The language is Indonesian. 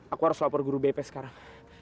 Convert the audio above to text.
aku harus lapor guru bp sekarang